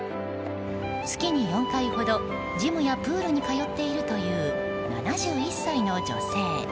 月に４回ほど、ジムやプールに通っているという、７１歳の女性。